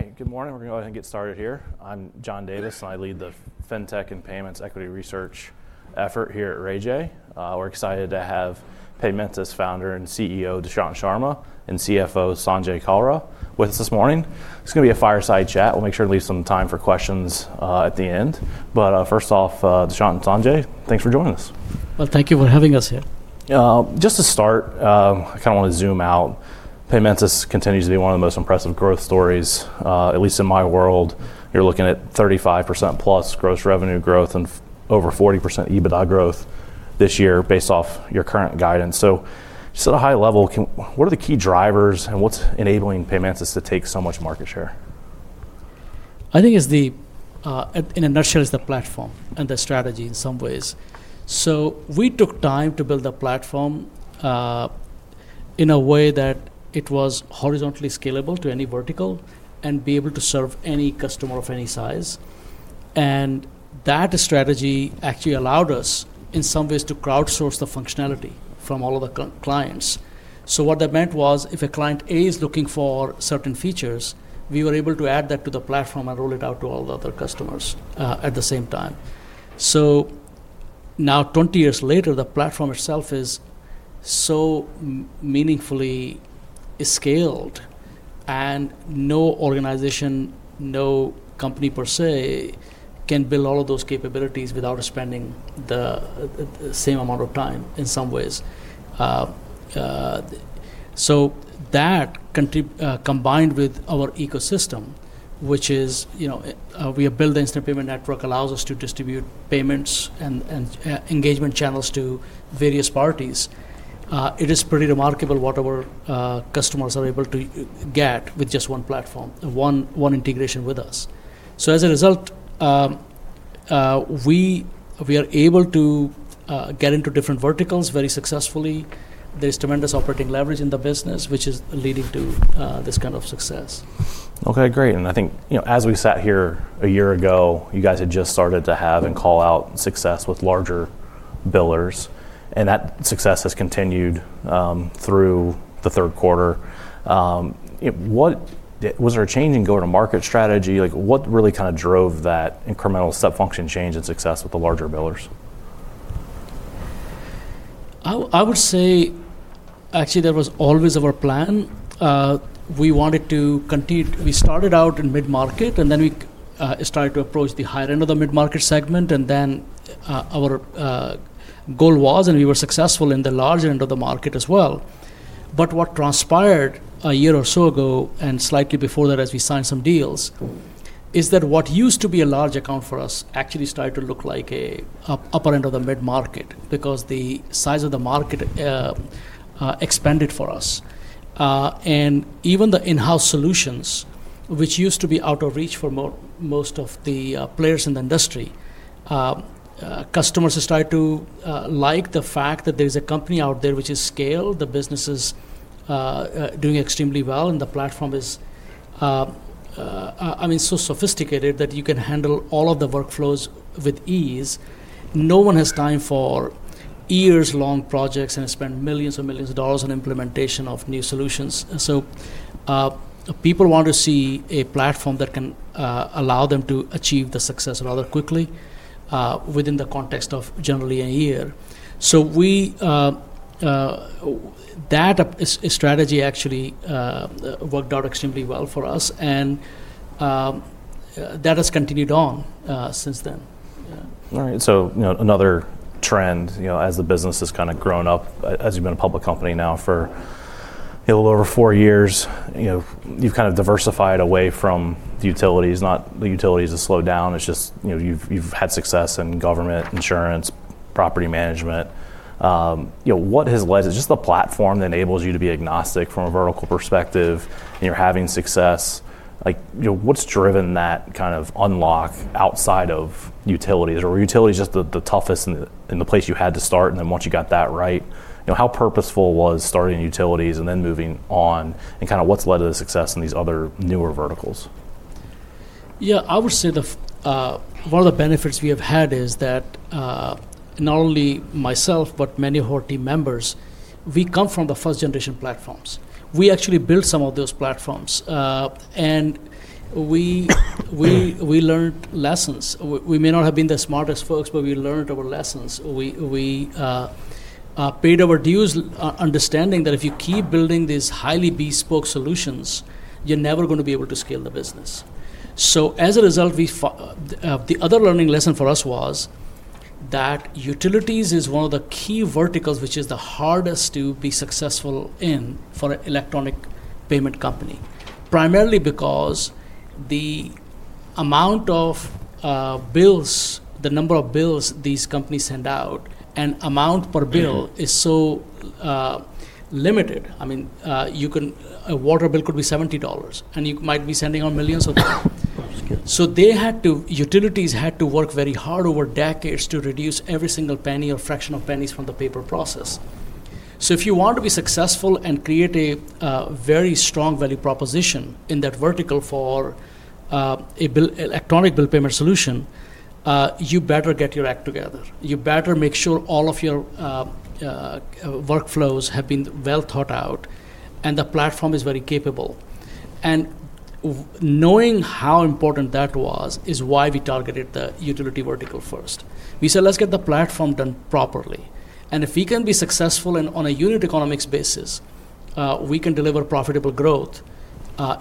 All right, good morning. We're going to go ahead and get started here. I'm John Davis, and I lead the FinTech and Payments Equity Research effort here at RayJay. We're excited to have Paymentus Founder and CEO Dushyant Sharma and CFO Sanjay Kalra with us this morning. It's going to be a fireside chat. We'll make sure to leave some time for questions at the end. But first off, Dushyant and Sanjay, thanks for joining us. Thank you for having us here. Just to start, I kind of want to zoom out. Paymentus continues to be one of the most impressive growth stories, at least in my world. You're looking at 35%+ gross revenue growth and over 40% EBITDA growth this year based off your current guidance. So just at a high level, what are the key drivers and what's enabling Paymentus to take so much market share? I think in a nutshell, it's the platform and the strategy in some ways. So we took time to build the platform in a way that it was horizontally scalable to any vertical and be able to serve any customer of any size. And that strategy actually allowed us in some ways to crowdsource the functionality from all of the clients. So what that meant was if a client is looking for certain features, we were able to add that to the platform and roll it out to all the other customers at the same time. So now, 20 years later, the platform itself is so meaningfully scaled, and no organization, no company per se can build all of those capabilities without spending the same amount of time in some ways. So that combined with our ecosystem, which is we have built the Instant Payment Network, allows us to distribute payments and engagement channels to various parties. It is pretty remarkable what our customers are able to get with just one platform, one integration with us. So as a result, we are able to get into different verticals very successfully. There is tremendous operating leverage in the business, which is leading to this kind of success. OK, great. And I think as we sat here a year ago, you guys had just started to have and call out success with larger billers. And that success has continued through the third quarter. Was there a change in go-to-market strategy? What really kind of drove that incremental step function change and success with the larger billers? I would say, actually, that was always our plan. We started out in mid-market, and then we started to approach the higher end of the mid-market segment. And then our goal was, and we were successful in the larger end of the market as well. But what transpired a year or so ago, and slightly before that as we signed some deals, is that what used to be a large account for us actually started to look like an upper end of the mid-market because the size of the market expanded for us. Even the in-house solutions, which used to be out of reach for most of the players in the industry, customers started to like the fact that there is a company out there which is scaled, the business is doing extremely well, and the platform is, I mean, so sophisticated that you can handle all of the workflows with ease. No one has time for years-long projects and has spent millions and millions of dollars on implementation of new solutions. People want to see a platform that can allow them to achieve the success rather quickly within the context of generally a year. That strategy actually worked out extremely well for us, and that has continued on since then. All right. So another trend as the business has kind of grown up, as you've been a public company now for a little over four years, you've kind of diversified away from the utilities. Not the utilities have slowed down. It's just you've had success in government, insurance, property management. What has led to just the platform that enables you to be agnostic from a vertical perspective and you're having success? What's driven that kind of unlock outside of utilities? Or were utilities just the toughest in the place you had to start, and then once you got that right? How purposeful was starting utilities and then moving on, and kind of what's led to the success in these other newer verticals? Yeah, I would say one of the benefits we have had is that not only myself, but many of our team members, we come from the first-generation platforms. We actually built some of those platforms, and we learned lessons. We may not have been the smartest folks, but we learned our lessons. We paid our dues understanding that if you keep building these highly bespoke solutions, you're never going to be able to scale the business. So as a result, the other learning lesson for us was that utilities is one of the key verticals which is the hardest to be successful in for an electronic payment company, primarily because the amount of bills, the number of bills these companies send out, and amount per bill is so limited. I mean, a water bill could be $70, and you might be sending out millions of bills. So they had to, utilities had to work very hard over decades to reduce every single penny or fraction of pennies from the paper process. So if you want to be successful and create a very strong value proposition in that vertical for an electronic bill payment solution, you better get your act together. You better make sure all of your workflows have been well thought out, and the platform is very capable. And knowing how important that was is why we targeted the utility vertical first. We said, let's get the platform done properly. And if we can be successful on a unit economics basis, we can deliver profitable growth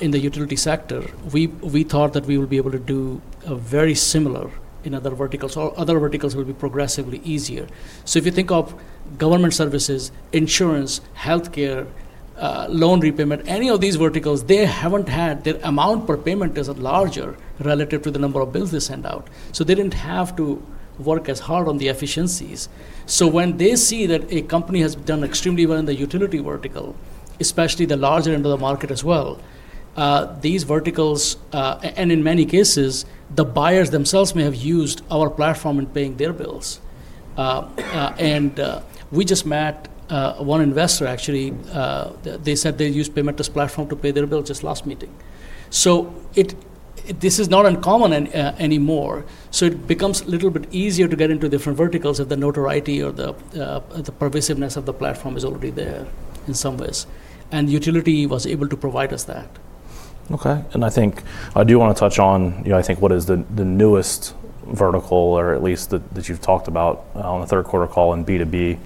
in the utility sector. We thought that we would be able to do very similar in other verticals. Other verticals will be progressively easier. So if you think of government services, insurance, health care, loan repayment, any of these verticals, they haven't had their amount per payment is larger relative to the number of bills they send out. So they didn't have to work as hard on the efficiencies. So when they see that a company has done extremely well in the utility vertical, especially the larger end of the market as well, these verticals, and in many cases, the buyers themselves may have used our platform in paying their bills. And we just met one investor, actually. They said they used Paymentus platform to pay their bill just last meeting. So this is not uncommon anymore. So it becomes a little bit easier to get into different verticals if the notoriety or the pervasiveness of the platform is already there in some ways. And utility was able to provide us that. OK, and I think I do want to touch on, I think, what is the newest vertical, or at least that you've talked about on the third quarter call in B2B.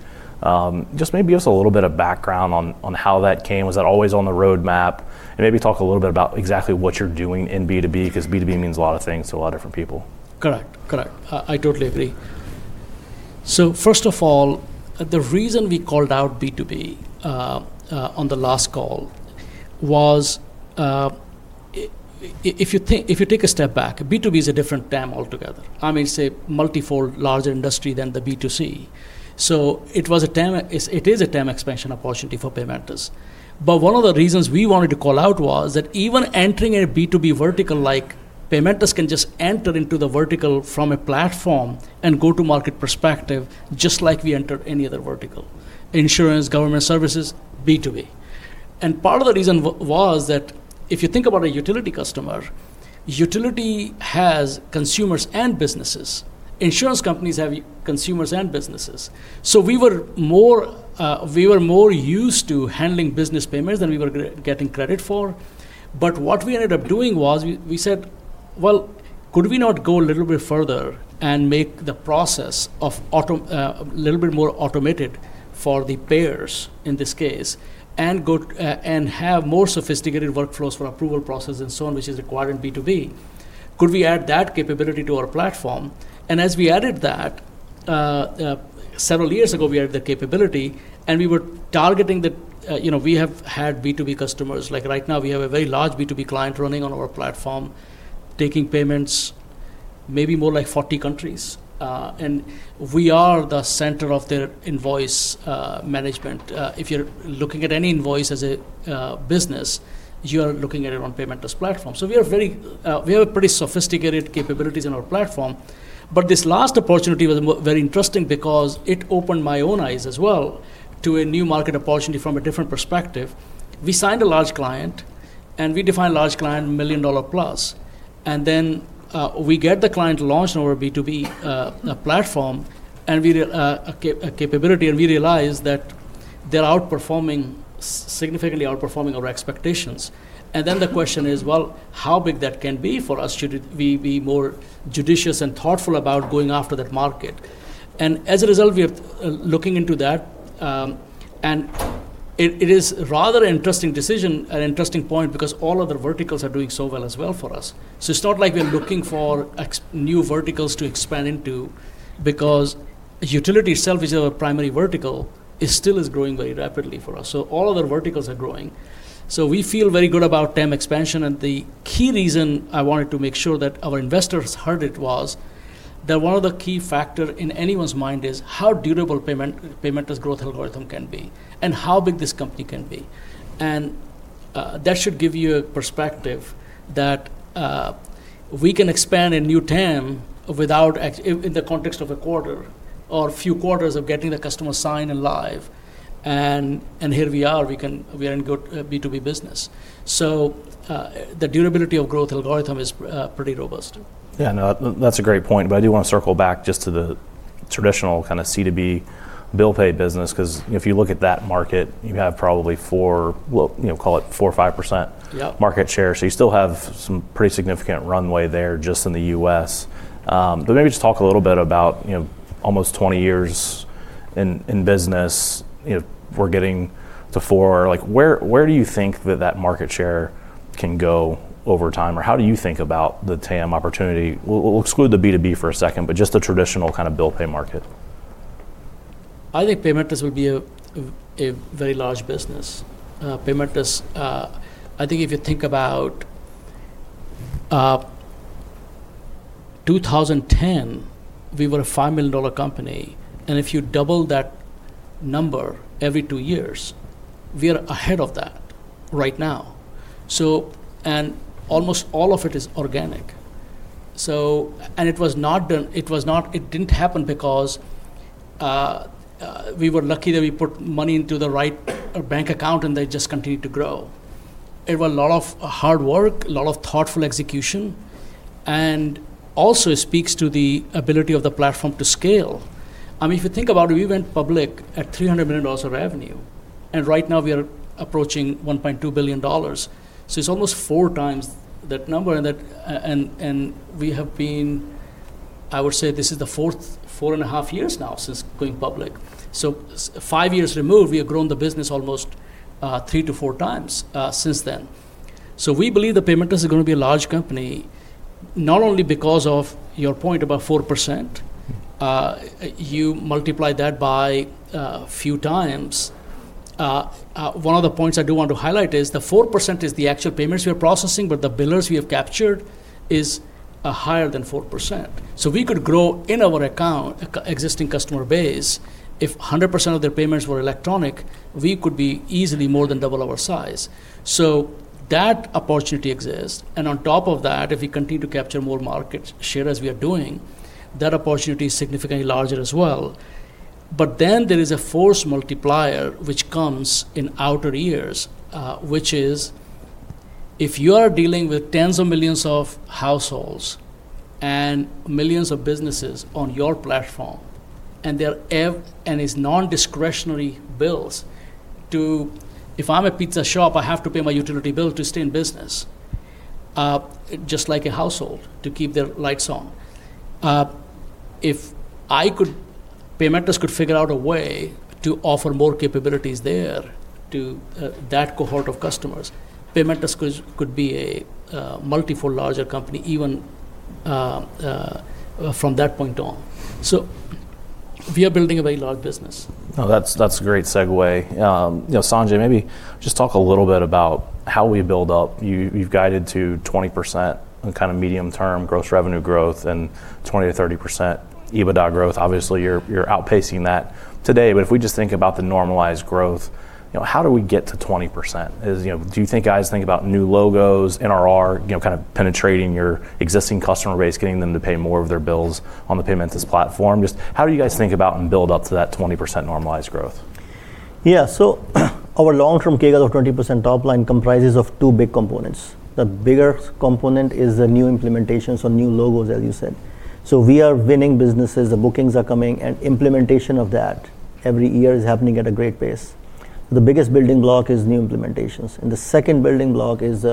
Just maybe give us a little bit of background on how that came. Was that always on the roadmap, and maybe talk a little bit about exactly what you're doing in B2B, because B2B means a lot of things to a lot of different people. Correct. Correct. I totally agree. So first of all, the reason we called out B2B on the last call was if you take a step back, B2B is a different TAM altogether. I mean, say, multifold, larger industry than the B2C. So it is a TAM expansion opportunity for Paymentus. But one of the reasons we wanted to call out was that even entering a B2B vertical like Paymentus can just enter into the vertical from a platform and go-to-market perspective, just like we entered any other vertical, insurance, government services, B2B. And part of the reason was that if you think about a utility customer, utility has consumers and businesses. Insurance companies have consumers and businesses. So we were more used to handling business payments than we were getting credit for. But what we ended up doing was we said, well, could we not go a little bit further and make the process a little bit more automated for the payers in this case and have more sophisticated workflows for approval process and so on, which is required in B2B? Could we add that capability to our platform? And as we added that, several years ago, we added the capability, and we were targeting. We have had B2B customers. Like right now, we have a very large B2B client running on our platform, taking payments, maybe more like 40 countries. And we are the center of their invoice management. If you're looking at any invoice as a business, you are looking at it on Paymentus platform. So we have pretty sophisticated capabilities in our platform. But this last opportunity was very interesting because it opened my own eyes as well to a new market opportunity from a different perspective. We signed a large client, and we defined large client $1 million+. And then we get the client launched on our B2B platform and capability, and we realized that they're significantly outperforming our expectations. And then the question is, well, how big that can be for us to be more judicious and thoughtful about going after that market? And as a result, we are looking into that. And it is rather an interesting decision, an interesting point, because all other verticals are doing so well as well for us. So it's not like we're looking for new verticals to expand into, because utility itself, which is our primary vertical, still is growing very rapidly for us. So all other verticals are growing. So we feel very good about TAM expansion. And the key reason I wanted to make sure that our investors heard it was that one of the key factors in anyone's mind is how durable Paymentus growth algorithm can be and how big this company can be. And that should give you a perspective that we can expand a new TAM in the context of a quarter or a few quarters of getting the customer signed and live. And here we are. We are in good B2B business. So the durability of growth algorithm is pretty robust. Yeah, no, that's a great point. But I do want to circle back just to the traditional kind of C2B bill pay business, because if you look at that market, you have probably 4%, call it 4%-5% market share. So you still have some pretty significant runway there just in the U.S. But maybe just talk a little bit about almost 20 years in business, we're getting to four. Where do you think that that market share can go over time? Or how do you think about the TAM opportunity? We'll exclude the B2B for a second, but just the traditional kind of bill pay market. I think Paymentus will be a very large business. Paymentus, I think if you think about 2010, we were a $5 million company, and if you double that number every two years, we are ahead of that right now, and almost all of it is organic, and it didn't happen because we were lucky that we put money into the right bank account, and they just continued to grow. It was a lot of hard work, a lot of thoughtful execution, and also, it speaks to the ability of the platform to scale. I mean, if you think about it, we went public at $300 million of revenue, and right now, we are approaching $1.2 billion, so it's almost four times that number, and we have been, I would say, this is the fourth, four and a half years now since going public. So five years removed, we have grown the business almost three to four times since then. So we believe that Paymentus is going to be a large company, not only because of your point about 4%. You multiply that by a few times. One of the points I do want to highlight is the 4% is the actual payments we are processing, but the billers we have captured is higher than 4%. So we could grow in our account existing customer base. If 100% of their payments were electronic, we could be easily more than double our size. So that opportunity exists. And on top of that, if we continue to capture more market share as we are doing, that opportunity is significantly larger as well. But then there is a force multiplier which comes in out years, which is if you are dealing with tens of millions of households and millions of businesses on your platform, and it's non-discretionary bills too. If I'm a pizza shop, I have to pay my utility bill to stay in business, just like a household, to keep their lights on. If Paymentus could figure out a way to offer more capabilities there to that cohort of customers, Paymentus could be a multifold larger company even from that point on. So we are building a very large business. Oh, that's a great segue. Sanjay, maybe just talk a little bit about how we build up. You've guided to 20% kind of medium-term gross revenue growth and 20%-30% EBITDA growth. Obviously, you're outpacing that today. But if we just think about the normalized growth, how do we get to 20%? Do you think guys think about new logos, NRR, kind of penetrating your existing customer base, getting them to pay more of their bills on the Paymentus platform? Just how do you guys think about and build up to that 20% normalized growth? Yeah, so our long-term CAGR of 20% top line comprises of two big components. The bigger component is the new implementations or new logos, as you said. So we are winning businesses. The bookings are coming, and implementation of that every year is happening at a great pace. The biggest building block is new implementations. And the second building block is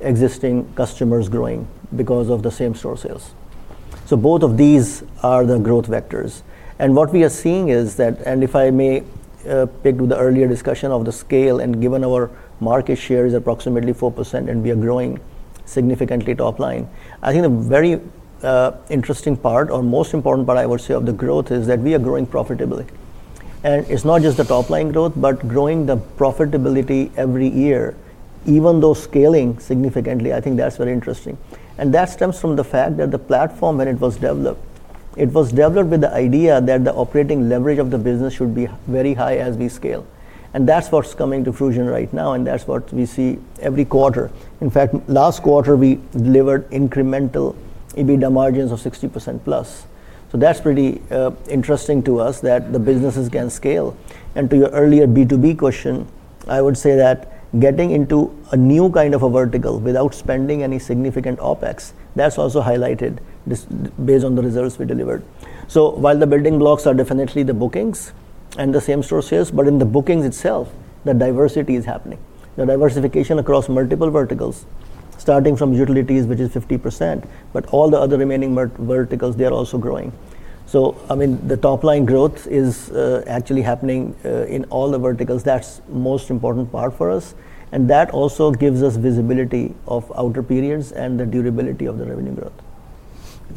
existing customers growing because of the same-store sales. So both of these are the growth vectors. And what we are seeing is that, and if I may pick with the earlier discussion of the scale, and given our market share is approximately 4%, and we are growing significantly top line, I think the very interesting part, or most important part, I would say, of the growth is that we are growing profitably. It's not just the top line growth, but growing the profitability every year, even though scaling significantly. I think that's very interesting. That stems from the fact that the platform, when it was developed, it was developed with the idea that the operating leverage of the business should be very high as we scale. That's what's coming to fruition right now, and that's what we see every quarter. In fact, last quarter, we delivered incremental EBITDA margins of 60%+. That's pretty interesting to us that the business can scale. To your earlier B2B question, I would say that getting into a new kind of a vertical without spending any significant OpEx, that's also highlighted based on the results we delivered. While the building blocks are definitely the bookings and the same-store sales, in the bookings itself, the diversity is happening. The diversification across multiple verticals, starting from utilities, which is 50%, but all the other remaining verticals, they are also growing. So I mean, the top line growth is actually happening in all the verticals. That's the most important part for us, and that also gives us visibility of outer periods and the durability of the revenue growth.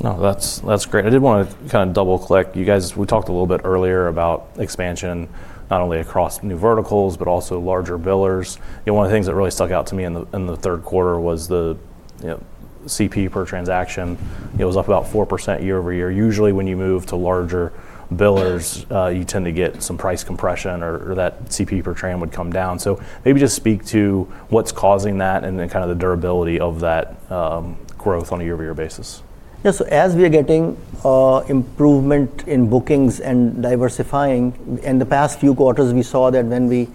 No, that's great. I did want to kind of double-click. We talked a little bit earlier about expansion, not only across new verticals, but also larger billers. One of the things that really stuck out to me in the third quarter was the CP per transaction. It was up about 4% year-over-year. Usually, when you move to larger billers, you tend to get some price compression, or that CP per transaction would come down. So maybe just speak to what's causing that and then kind of the durability of that growth on a year-over-year basis. Yeah, so as we are getting improvement in bookings and diversifying, in the past few quarters, we saw that when we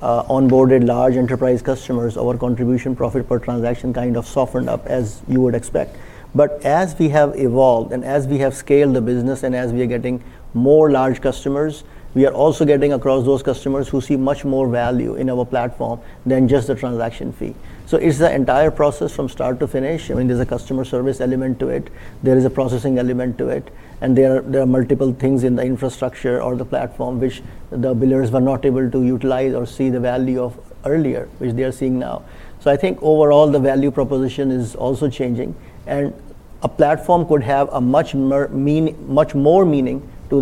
onboarded large enterprise customers, our Contribution Profit per transaction kind of softened up, as you would expect. But as we have evolved and as we have scaled the business and as we are getting more large customers, we are also getting across those customers who see much more value in our platform than just the transaction fee. So it's the entire process from start to finish. I mean, there's a customer service element to it. There is a processing element to it. And there are multiple things in the infrastructure or the platform which the billers were not able to utilize or see the value of earlier, which they are seeing now. So I think overall, the value proposition is also changing. A platform could have much more meaning to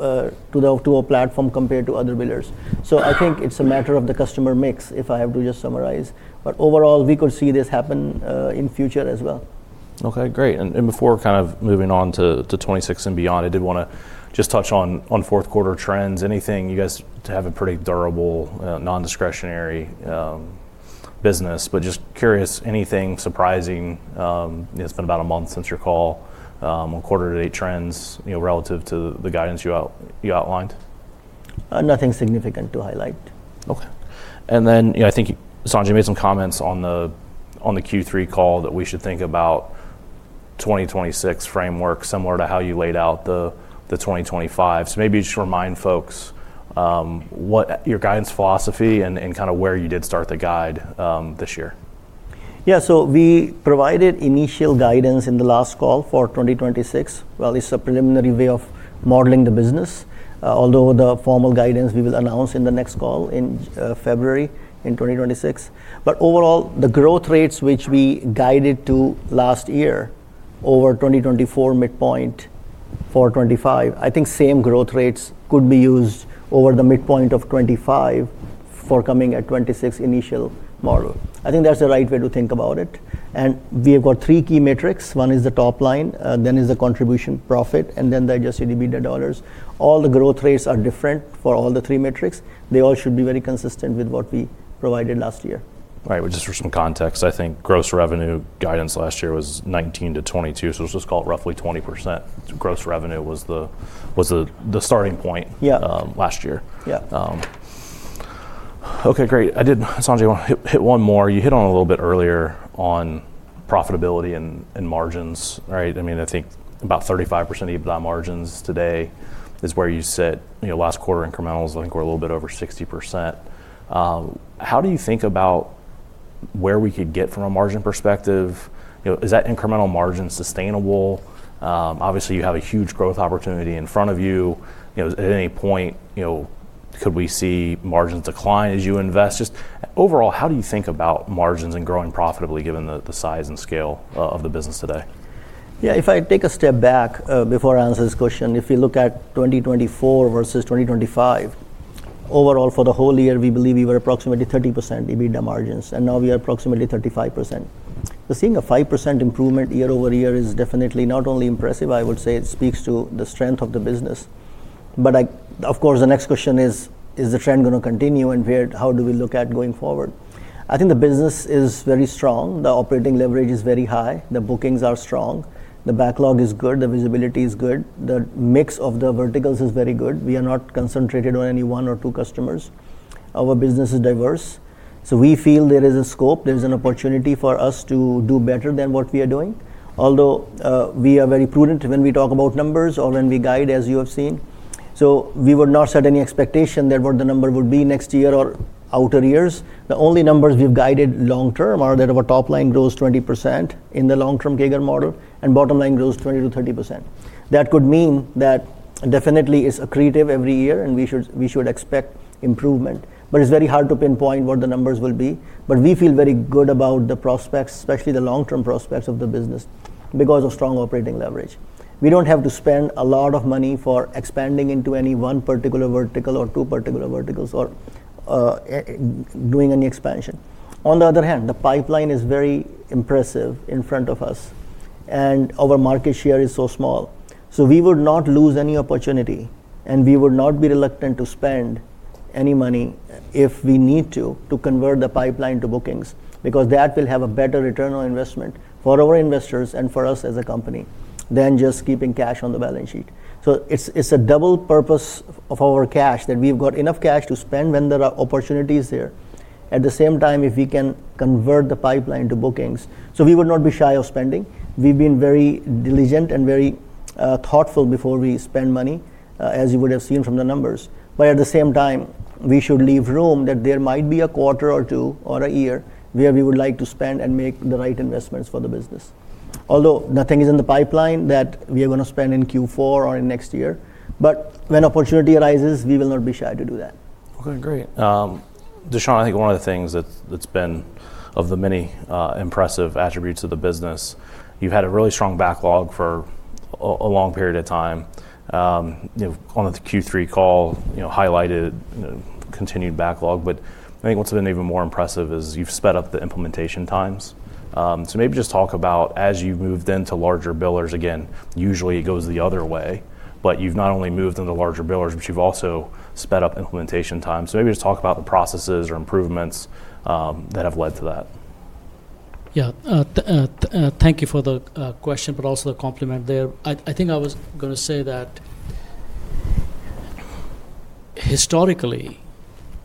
a platform compared to other billers. I think it's a matter of the customer mix, if I have to just summarize. Overall, we could see this happen in future as well. OK, great, and before kind of moving on to 26 and beyond, I did want to just touch on fourth quarter trends. Anything? You guys have a pretty durable, non-discretionary business, but just curious, anything surprising? It's been about a month since your call. Quarter-to-date trends relative to the guidance you outlined? Nothing significant to highlight. OK. And then I think Sanjay made some comments on the Q3 call that we should think about 2026 framework similar to how you laid out the 2025. So maybe just remind folks your guidance philosophy and kind of where you did start the guide this year. Yeah, so we provided initial guidance in the last call for 2026, well, it's a preliminary way of modeling the business, although the formal guidance we will announce in the next call in February in 2026, but overall, the growth rates which we guided to last year over 2024 midpoint for 2025, I think same growth rates could be used over the midpoint of 2025 for coming at 2026 initial model. I think that's the right way to think about it, and we have got three key metrics. One is the top line. Then is the Contribution Profit. And then the Adjusted EBITDA dollars. All the growth rates are different for all the three metrics. They all should be very consistent with what we provided last year. Right, which just for some context, I think gross revenue guidance last year was 19%-22%. So let's just call it roughly 20%. Gross revenue was the starting point last year. Yeah. OK, great. Sanjay, hit one more. You hit on a little bit earlier on profitability and margins. I mean, I think about 35% EBITDA margins today is where you sit. Last quarter incrementals, I think, were a little bit over 60%. How do you think about where we could get from a margin perspective? Is that incremental margin sustainable? Obviously, you have a huge growth opportunity in front of you. At any point, could we see margins decline as you invest? Just overall, how do you think about margins and growing profitably, given the size and scale of the business today? Yeah, if I take a step back before I answer this question, if you look at 2024 versus 2025, overall, for the whole year, we believe we were approximately 30% EBITDA margins, and now we are approximately 35%, so seeing a 5% improvement year-over-year is definitely not only impressive, I would say. It speaks to the strength of the business, but of course, the next question is, is the trend going to continue? And how do we look at going forward? I think the business is very strong. The operating leverage is very high. The bookings are strong. The backlog is good. The visibility is good. The mix of the verticals is very good. We are not concentrated on any one or two customers. Our business is diverse, so we feel there is a scope. There's an opportunity for us to do better than what we are doing, although we are very prudent when we talk about numbers or when we guide, as you have seen, so we would not set any expectation that what the number would be next year or outer years. The only numbers we've guided long-term are that our top line grows 20% in the long-term CAGR model, and bottom line grows 20%-30%. That could mean that definitely it's accretive every year, and we should expect improvement, but it's very hard to pinpoint what the numbers will be, but we feel very good about the prospects, especially the long-term prospects of the business, because of strong operating leverage. We don't have to spend a lot of money for expanding into any one particular vertical or two particular verticals or doing any expansion. On the other hand, the pipeline is very impressive in front of us. And our market share is so small. So we would not lose any opportunity. And we would not be reluctant to spend any money, if we need to, to convert the pipeline to bookings, because that will have a better return on investment for our investors and for us as a company than just keeping cash on the balance sheet. So it's a double purpose of our cash that we've got enough cash to spend when there are opportunities there. At the same time, if we can convert the pipeline to bookings, so we would not be shy of spending. We've been very diligent and very thoughtful before we spend money, as you would have seen from the numbers. But at the same time, we should leave room that there might be a quarter or two or a year where we would like to spend and make the right investments for the business. Although nothing is in the pipeline that we are going to spend in Q4 or in next year, but when opportunity arises, we will not be shy to do that. OK, great. Dushyant, I think one of the things that's been of the many impressive attributes of the business. You've had a really strong backlog for a long period of time. On the Q3 call, highlighted continued backlog. But I think what's been even more impressive is you've sped up the implementation times. So maybe just talk about as you've moved into larger billers. Again, usually it goes the other way. But you've not only moved into larger billers, but you've also sped up implementation times. So maybe just talk about the processes or improvements that have led to that. Yeah, thank you for the question, but also the compliment there. I think I was going to say that historically,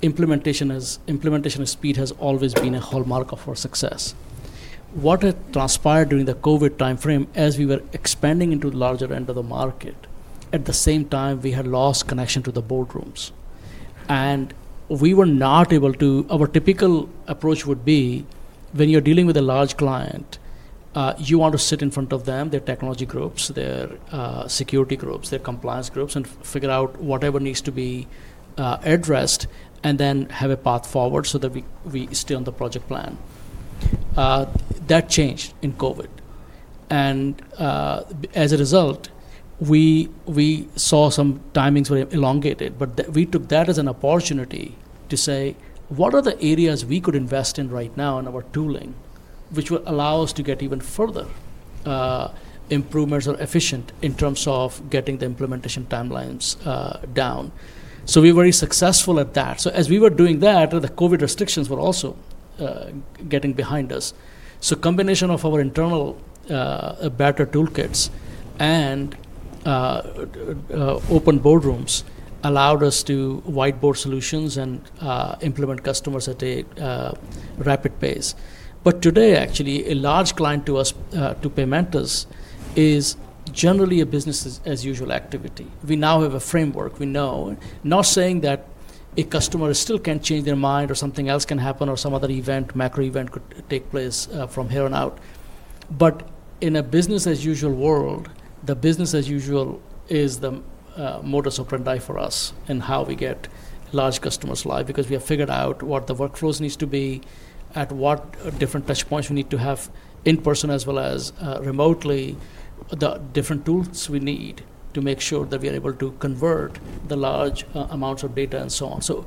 implementation speed has always been a hallmark of our success. What had transpired during the COVID time frame, as we were expanding into the larger end of the market, at the same time, we had lost connection to the boardrooms, and we were not able to, our typical approach would be, when you're dealing with a large client, you want to sit in front of them, their technology groups, their security groups, their compliance groups, and figure out whatever needs to be addressed, and then have a path forward so that we stay on the project plan. That changed in COVID, and as a result, we saw some timelines were elongated. But we took that as an opportunity to say, what are the areas we could invest in right now in our tooling, which will allow us to get even further improvements or efficient in terms of getting the implementation timelines down? So we were very successful at that. So as we were doing that, the COVID restrictions were also getting behind us. So a combination of our internal better toolkits and open boardrooms allowed us to whiteboard solutions and implement customers at a rapid pace. But today, actually, a large client to us, to Paymentus, is generally a business-as-usual activity. We now have a framework. We know, not saying that a customer still can't change their mind or something else can happen or some other event, macro event could take place from here on out. But in a business-as-usual world, the business-as-usual is the modus operandi for us in how we get large customers live, because we have figured out what the workflows need to be, at what different touch points we need to have in person as well as remotely, the different tools we need to make sure that we are able to convert the large amounts of data and so on. So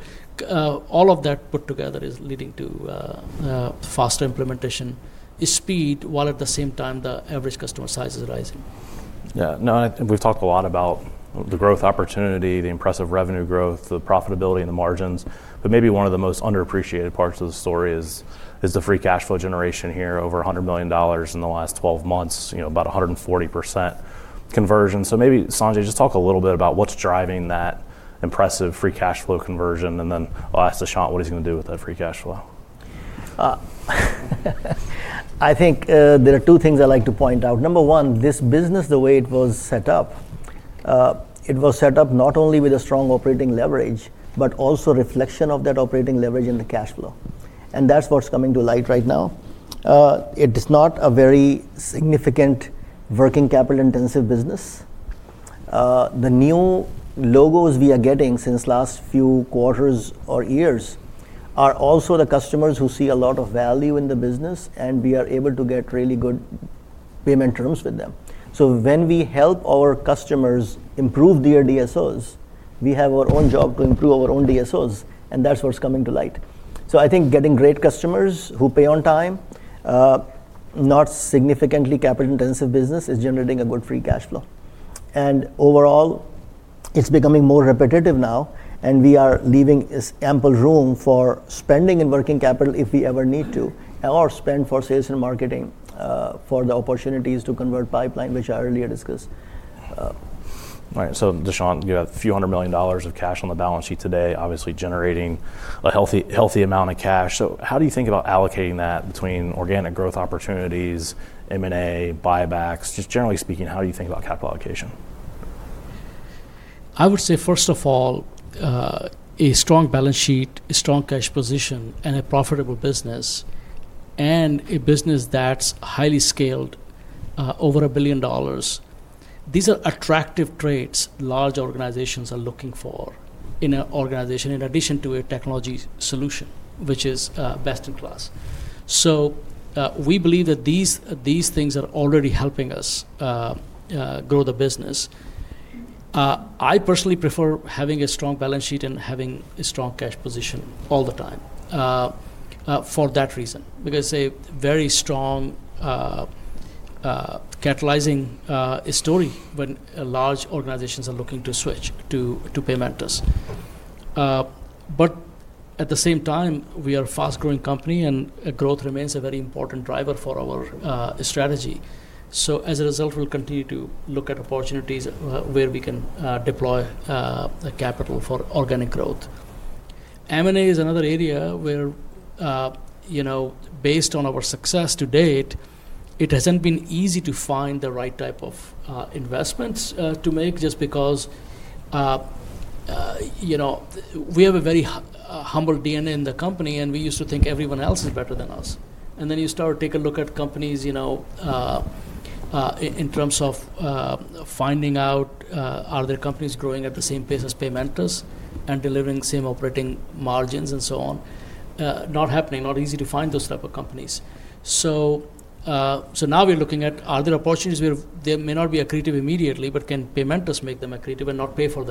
all of that put together is leading to faster implementation speed, while at the same time, the average customer size is rising. Yeah, no, and we've talked a lot about the growth opportunity, the impressive revenue growth, the profitability, and the margins. But maybe one of the most underappreciated parts of the story is the free cash flow generation here over $100 million in the last 12 months, about 140% conversion. So maybe, Sanjay, just talk a little bit about what's driving that impressive free cash flow conversion. And then I'll ask Dushyant what he's going to do with that free cash flow. I think there are two things I'd like to point out. Number one, this business, the way it was set up, it was set up not only with a strong operating leverage, but also a reflection of that operating leverage in the cash flow, and that's what's coming to light right now. It is not a very significant working capital-intensive business. The new logos we are getting since last few quarters or years are also the customers who see a lot of value in the business, and we are able to get really good payment terms with them, so when we help our customers improve their DSOs, we have our own job to improve our own DSOs, and that's what's coming to light, so I think getting great customers who pay on time, not significantly capital-intensive business, is generating a good free cash flow. Overall, it's becoming more repetitive now. We are leaving ample room for spending in working capital if we ever need to, or spend for sales and marketing for the opportunities to convert pipeline, which I earlier discussed. Right, so Dushyant, you have a few hundred million dollars of cash on the balance sheet today, obviously generating a healthy amount of cash. So how do you think about allocating that between organic growth opportunities, M&A, buybacks? Just generally speaking, how do you think about capital allocation? I would say, first of all, a strong balance sheet, a strong cash position, and a profitable business, and a business that's highly scaled over $1 billion. These are attractive traits large organizations are looking for in an organization in addition to a technology solution, which is best in class. So we believe that these things are already helping us grow the business. I personally prefer having a strong balance sheet and having a strong cash position all the time for that reason, because it's a very strong catalyzing story when large organizations are looking to switch to Paymentus, but at the same time, we are a fast-growing company, and growth remains a very important driver for our strategy, so as a result, we'll continue to look at opportunities where we can deploy capital for organic growth. M&A is another area where, based on our success to date, it hasn't been easy to find the right type of investments to make just because we have a very humble DNA in the company. And we used to think everyone else is better than us. And then you start to take a look at companies in terms of finding out, are there companies growing at the same pace as Paymentus and delivering same operating margins and so on? Not happening. Not easy to find those types of companies. So now we're looking at, are there opportunities where there may not be accretive immediately, but can Paymentus make them accretive and not pay for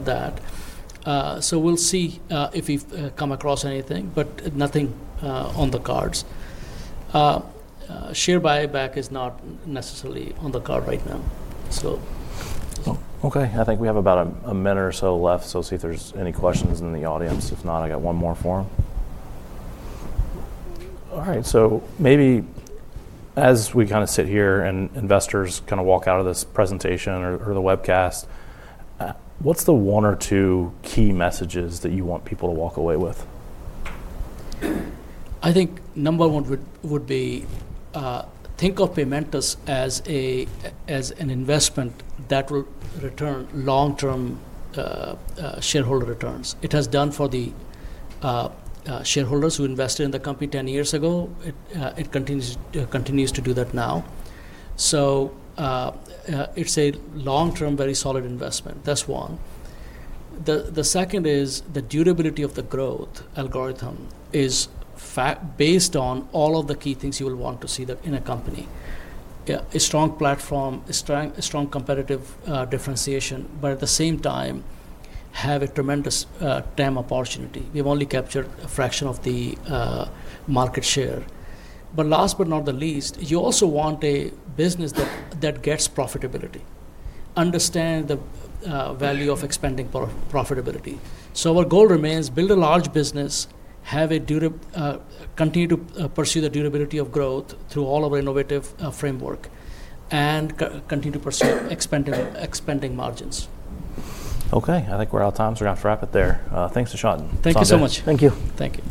that? So we'll see if we've come across anything, but nothing on the cards. Share buyback is not necessarily on the card right now. OK, I think we have about a minute or so left. So see if there's any questions in the audience. If not, I got one more for him. All right, so maybe as we kind of sit here and investors kind of walk out of this presentation or the webcast, what's the one or two key messages that you want people to walk away with? I think number one would be, think of Paymentus as an investment that will return long-term shareholder returns. It has done for the shareholders who invested in the company 10 years ago. It continues to do that now. So it's a long-term, very solid investment. That's one. The second is the durability of the growth algorithm is based on all of the key things you will want to see in a company: a strong platform, a strong competitive differentiation, but at the same time, have a tremendous time opportunity. We have only captured a fraction of the market share. But last but not the least, you also want a business that gets profitability, understands the value of expanding profitability. So our goal remains build a large business, continue to pursue the durability of growth through all of our innovative framework, and continue to pursue expanding margins. OK, I think we're out of time. So we're going to have to wrap it there. Thanks, Dushyant. Thank you so much. Thank you. Thank you.